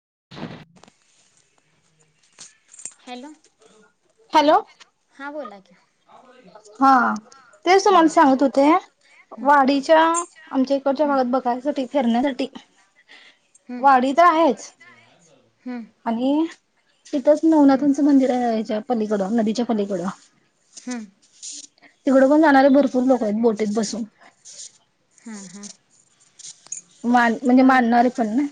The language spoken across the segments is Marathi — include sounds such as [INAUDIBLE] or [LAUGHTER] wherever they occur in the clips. [INAUDIBLE] Hello hello. हां बोला की हा तेच तुम्हाला हम्म सांगत होते, हम्म वाडीच्या आमच्या इकडच्या हम्म भागात बघायसाठी, फीरण्यासाठी ते हम्म वाडी तर आहेच. हम्म आणि. तिथंच हम्म नवनाथांचं मंदिर आहे याच्यात. पलीकडं नदीच्या पलीकडं. हम्म. तिकड पण जाणारे भरपूर लोक आहेत, बोटीत बसून. हां हां. मान म्हणजे हम्म, मानणारे पण ना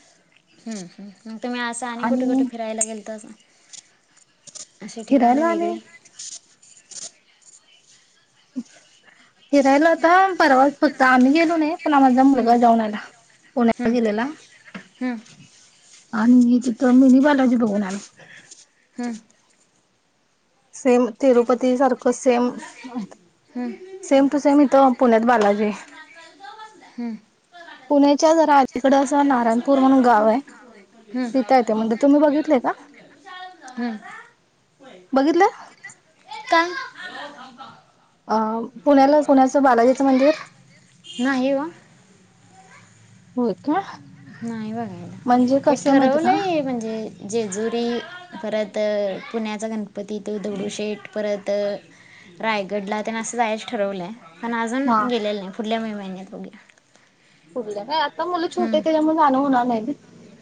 ह, मग तुम्ही असं आणि कुठे-कुठे फिरायला गेलतासा. असे ठिकाणे फिरायला वेगळे. आम्ही फिरायला आता परवाच फक्त आम्ही गेलो नाही. पण माझा मुलगा जाऊन आला पुण्याला गेलेला. आणि तिथं मिनी बालाजी बघून आला. हम्म. सेम, तिरुपती सारखं सेम. सेम टू सेम इथ पुण्यात बालाजी आहे, पुण्याच्या जरा अलीकड असं नारायणपूर म्हणून गाव आहे, तिथं आहे ते मंदिर तुम्ही बघितले का. बघितलं. पत्ता. अं पुण्याला पुण्याचं बालाजीचं मंदिर. नाही हो होय का. नाही बघायला म्हणजे हे कसं माहित का ठरवलंय, म्हणजे जेजुरी परत. तर पुण्याचा गणपती तो दगडूशेठ परत. रायगड ला तेन असं जायच ठरवलंय. पण अजून हा गेलेले नाही, फुडल्या मे महिन्यात. ेते आहे [UNINTELLIGIBLE] फुडल्या काय. आता मुलं छोटे हम्म त्याच्यामुळे जाणं होणार नाही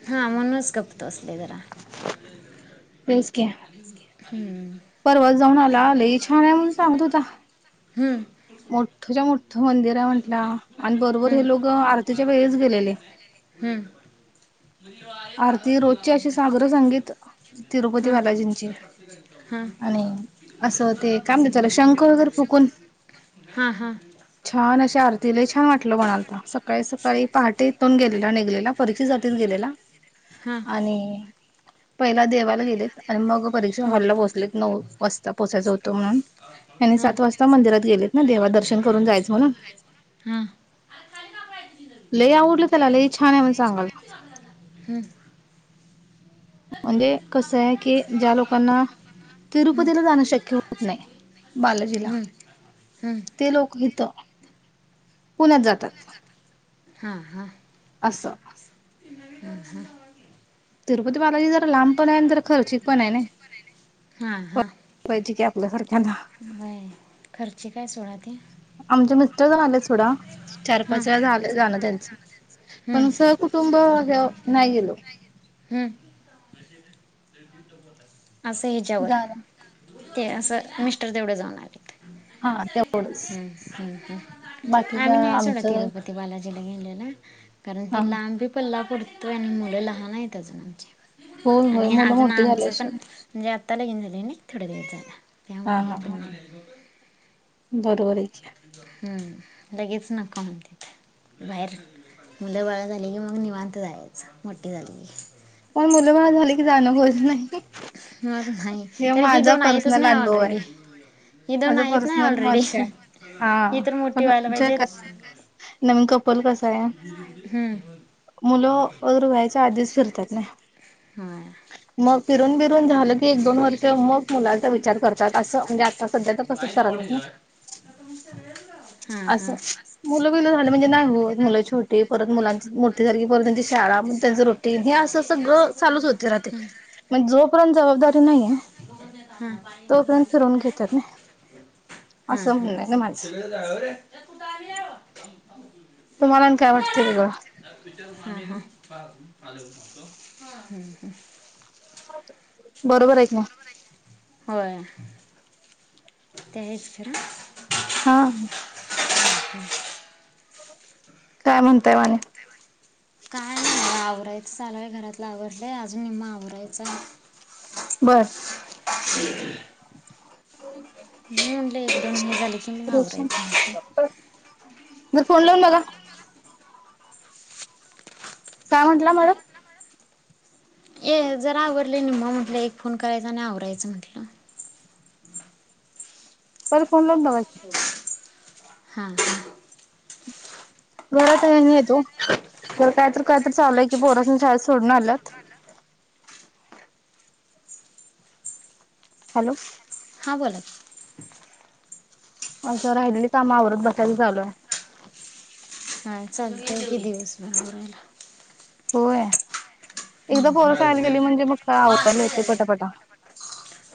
हा म्हणूनच गप्प तो असतोय जरा. तेच की. हं. परवाच जाऊन आला लई छान आहे, म्हणून सांगत होता. हम्म. मोठच्या-मोठ मंदिर आहे म्हंटला आणि बरोबर हं. हे लोक आरतीच्या वेळीच गेलेले. हं. आरती रोजची अशी सागरं-संगीत तिरुपती हं. बालाजींची. हं. आणि असं ते काय म्हणतेलं शंख वगैरे फुकून हां हां हां छान अशा आरतीला छान वाटलं म्हणालता सकाळी सकाळी पहाटे हितून गेलेला निघलेला परीक्षेसाठीच गेलेला. हं. आणि पहिला देवायला गेलेत आणि मग परीक्षा हॉलला पोहचलेत नऊ वाजता पोचायच होत तो म्हणुन आणि हां सात वाजता मंदिरात गेलेत ना देवा दर्शन करून जायच म्हणून हां लय आवडलं त्याला लय छान आहे म्हण सांगालय हं म्हणजे कस ये की ज्या लोकांना हं. तिरुपतीला जाणं शक्य हो होतं नाय. बालाजीला हं. हं. ते लोक हित पुण्यात जातात हा हा असं [INAUDIBLE] तिरुपती बालाजी जर लांब पण आहे तर खर्चिक पण आहे नाय [UNINTELLIGIBLE] आपल्याला सारख व्हय खर्चिक हाय सोडा आमचे मिस्टर आलेत सोडा चार हां पाच वेळा झाल जाणं त्यांचं हं, पण सहकुटुंब हे नाय गेलो हं. [UNINTELLIGIBLE] असं ह्याच्यावर जाणं ते असं मिस्टर तेवढ जाऊन आले. हा तेवढंच हूं हूं हूं बाकी का आम्ही नाही सोडा आमचं तिरुपती बालाजी त्याला गेलेला कारण हा ते लांब ये पल्ला परत ट्रेन मुळं मुलं लहान आहेत. अजून आमचे होय होय मुलं मोठी झाल्याशिवाय [UNINTELLIGIBLE] त्याला घेऊन थोड्या दिवस जाऊद्या हा त्यामुळे हे हा पण हा नाय बरोबर हाय की हं लगेच नका म्हणत्यात बाहेर मुलं बाळ झाली की मग निवांत जायचं मोठी झाली की पण मुल बाळ झाल की होत नाही मग नाही हे कारण ही माझा दोन आहेतच पर्सनल नाही अनुभव आहे ऑलरेडी ही दोन माझ आहेत ना पर्सनल ऑलरेडी मत काय हा ही तर मोठी पण व्हायला ज पाहिजेत कस. पण कस आहे हम्म मुलं बाळ व्हायच्या आधीच. करतात. नाही. ह. ग फिरून झालं की एक दोन वर्ष मग मुलांचा विचार करतात असं म्हणजे सध्या तर हां कसच कराला ना हां असं मुलं बिलं झालं म्हणजे नाही होत मुलं छोटी परत मुलांची मोठी झाली की परत त्यांची शाळा त्यांच रूटीन हे असं. सगळ चालूच होते म्हणज जोपर्यंत जबाबदारी नाहीये तोपर्यंत फिरून घेत नाही. हम् हम्कडे जा रे. तुम्हाला काय वाटतं हॅलो वेगळं मतो हम हम् हम्. बरोबर आहे ना. होय. तेज करा हा. हम् हम. काय म्हणताय माणे काय नाही मला आवरायचं चालय घरातलं आवरडलंय अजून निम आवरायचां. बर. मन लबड होणे ग ल की जर मगवरा प [INAUDIBLE] काय म्हंटलं मॅडम. ये जरा आवरडले मग म्हटलं एक फोन करायचा आणि आवडयचं म्हटलं. पररे फोन लागून जा. हो. हा हा. घरात आहे नाही येतो तर कायत कायत चाललंय की पोरसने शाळेत सोडून आल्यात हॅलो. हा बोला. असं राहिलेली कामावरच बसायला चालू. ह चालते की दिवस मिवरयला होय. एकदा पोरशायला गेली म्हणजे मग का आवडला येत पटापटा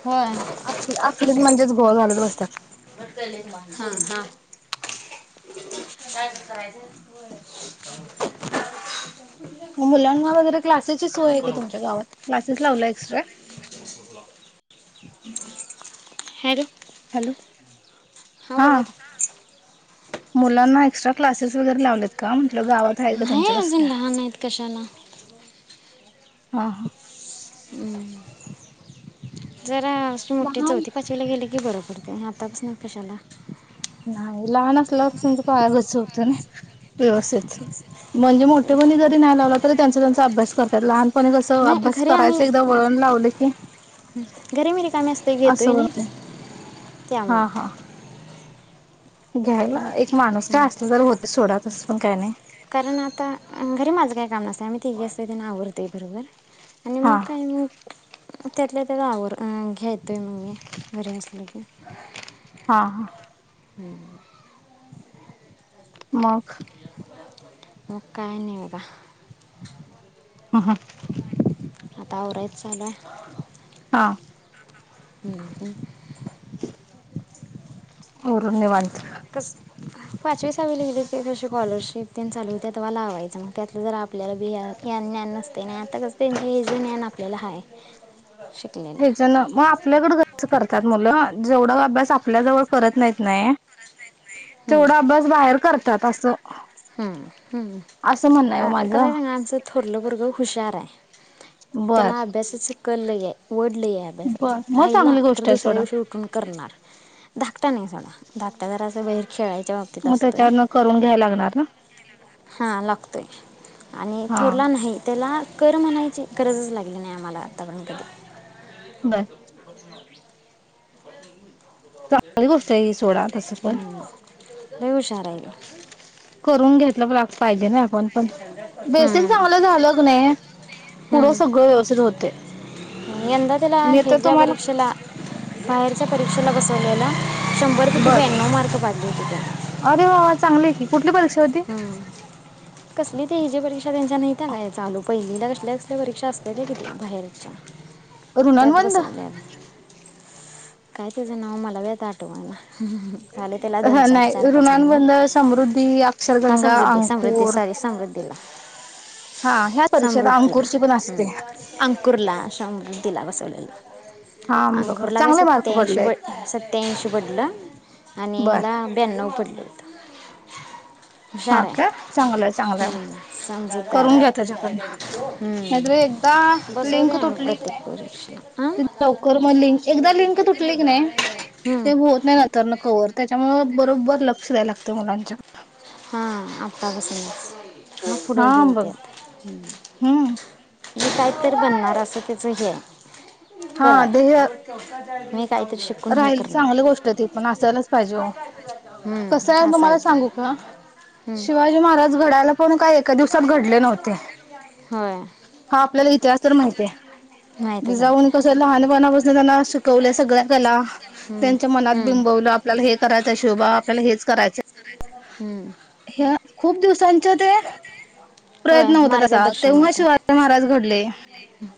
होय आखरीत म्हणजेच घव घलत बसतात. हा हा. मुलांना वगैरे क्लासेसची सोय आहे का तुमच्या गावात? क्लासेस लावलाय एक्स्ट्रा? हॅलो हॅलो हा बोला मुलांना एक्स्ट्रा क्लासेस वगैरे लावलेत का म्हण नाही अजून लहान आहेत कशाला हा ह हम्म जरा अशी मोठी लहान चौथी पाचवीला गेले की बर का आतापसन कशाला नाही लहान असल्यापासूनच पाया गच होतं ना व्यवस्थित म्हणजे मोठेपणी जरी नाही लावला तरी त्यांचा त्यांचा अभ्यास करतात. लहान पणी कसं नाही अभ्यास घरी करायच आम्ही एकदा वळण लावल की घरी मी रिकामी असते असं घेतोय होतय, नाही हा त्यामुळं हा घ्यायला एक माणूस काय असला तर होतय सोडा तसं पण काय नाही कारण आता घरी माझं काही काम नसत आम्ही तिघे असतो त्यांन आवरतय भराभर आणि हा मग काय म त्यातला त्याचा आवर घेतोय मग् मी घरी असले की हा हा हम्म मग मग काय नाही बघा. ह हा आता आवरायच चालूय हा हम आवरून निवांत कस पाचवी सावी ल ते कशी स्कॉलरशिप तेन चालू होते तेव्हा लावायचं मग त्यातलं जरा आपल्याला बि ग्या- ज्ञान नसतय ना ताच त्यांचे हे ज ज्ञान आपल्याला आहे. शिकलेलं ह्याच्या ना मग आपल्याकड कस करत मुलं जेवढं अभ्यास आपल्या जवळ करत नाहीत नाही तेवढा अभ्यास बाहेर करत त्यात असं हम्म हम् असं म्हणणं आहे ओ माझं कसय सांगा आमचं थोरलं पोरगं हुशाराय बर तेला अभ्यासाच अक्कल लईये. वढ लईये अभ्यासाची बर मग राहिला चांगली तर गोष्ट आहे दुसऱ्या सोडा दिवशी उठून करणार. धाकटा नाही सोडा धाकटा जरा असं वैर खेळाळच. मग त्याच्यावरन करून घ्यायला लागणार ना. हा लागतोय. आणि हा थोरला नाही त्याला कर म्हणायची गरजच लागत. बर [UNINTELLIGIBLE] चांगली गोष्ट ही सोडा तसं पण लई हुशार आहे करून घेतलं पाहिजे ना आपण पण बेसिक तो. चांगलं झालं क नाही पुढं सगळं व्यवस्थित होतय यंदा त्याला तर ह्याच्या तुम्हाला परीक्षेला बाहेरच्या परीक्षेला बस. स वला [UNINTELLIGIBLE] शंभर कि बर ब्याण्णव मार्क पा द क [INAUDIBLE] अरे वा वा चांगले आहे की कुठली परीक्षा? होती हम्म. कसली ते हेजी परीक्षा त्यांच्या नाही काय चालू पहिली कसल्या परीक्षा असतल्या कि त्या बाहेरच्या त्यात ऋणानुबंध बसवल्या काय त्याचं नाव मला बी आठवना- हा नाही ऋणानुबंद, समृद्धी, हां अक्षरगंगा, समृद्धी समृद्धी अंकूर सॉरी समृद्धीला समृद्धीला अंकुरची पण असते ह अंकुरला सम तिला बसवलेलं. हा बघा अंखुरला का चांगले मार्क सत्याऐंशी पडले ब सत्याऐंशी पडलं? आणि बर ह्याला ब्याण्णव पडलेत. हा काय, चांगलंय चांगलंय समजूतदार करून घ्या आहे त्याच्या नाहीतर हम्म. एकदा बसवते लिंक आम्ही तुटली की प्रत्येक परीक्षा नाई हां लवकर म लिंक एकदा लिंक तुटली की नाई ते होत नाही नंतर न कवर त्याच्यामुळे बरोबर ल लक्ष द्याला लागतं मुलांच्या हां आपका का स [INAUDIBLE] हा बघ, हम्म. मी काहीतरी बनणार असं त्याचं हे आहे. हा कल आहे देह. [INAUDIBLE] हे राहिल करणार चांगली गोष्ट आहे त पण असायलाच पाहिजे हो, कसं हम्म, आहे असं तुम्हाला ते सांगू का? हम्म, शिवाजी महाराज घडायला पण काही एका दिवसात घडले नव्हते होय हा आपल्याला इतिहास तर माहितीय माहीतच आहे ते जिजाऊन कसं लहानपणा पाक त्यांना शिकवल्या सगळ्या कला हम्म, त्यांच्या मनात हम्म, बिंबवलं आपल्याला हे करायच शिवबा त्याला हेच करायचं हम्म. हे खूप दिवसांचे ते होय प्रयत्न होता तसा मार्गदर्शन तेव्हा होतं शिवाजी महाराज घडले.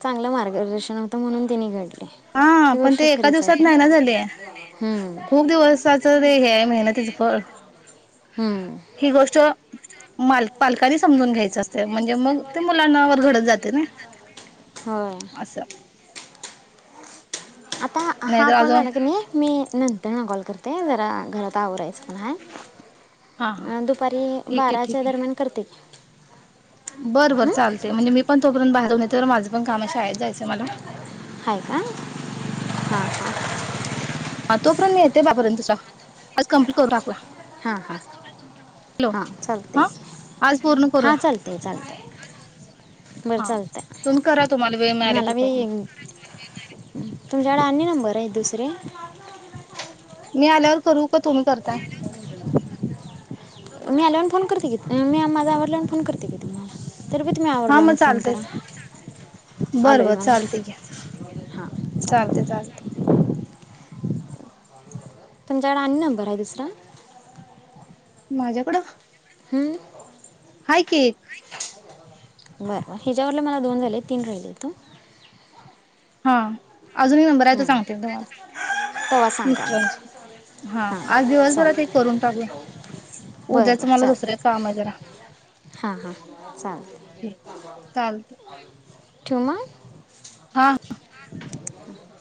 चांगलं मार्गदर्शन होतं, म्हणून तिने घडलं हां पण ते एका दिवसात नाही ना झाले, हम्म, खूप दिवसाच ते हे आहे मेहनत तिचं फळ हम्म. हि गोष्ट माल पालकांनी समजून घ्यायच असते म्हणजे मग ते मुलांनावर घडत जाते ना होय असं. आता नाही हा तर कॉल अजून झाला की नाई मी नंतर न कॉल करते ते जरा घरात आवररायचं पण हाय. हा हा अह दुपारी ठीक आहे ठीक बाराच्या दरम्यान करते बरं बरं हं? चालते म्हणजे मी पण तोपर्यंत बाहेरून येते ना माझ पण काम शाळेत जायचंय मला हा हा. हा तोपर्यंत येते [UNINTELLIGIBLE] आज कमप्लीट करून टाकूया. हां हां हां हॅलो हां चालते हा आज पूर्ण करूया हां चालते चालते बरं हा चालतंय तुम्ही करा तुम्हाला वेळ मिळाला की मला कॉल. तुझ्याकडे आनी नंबर आहेत दुसरे? मी आल्यावर करू का तुम्ही करताय? मी आल्यावर फोन करते की, मी माझ आवरल्यावर फोन करते की तुम्हाला. तर बी तुम्ही हा मग आवडल्यावर फोन चालतय करा आलो बरं आहे बरं चालतय म्हणून की हां चालतय चालेल चालतय तुमच्याकडे आनी नंबर आहे दुसरा? माझ्याकडं? हम्म. हाय की एक. बरं बरं ह्याच्यावरन मला दोन झाले तीन राहिलेत हॉग हा. अजूनही नंबराच सांगतील तुम्हाला तेव्हा सांगा मिस्टरांची मग हा हां आज दिवसभरात चालेल हे करून टाकूया बरं उद्याच बरं मला चालेल दुसरे काम आहे जरा. हां हां चालतं ठीके चालत. हा हा. [UNINTELLIGIBLE]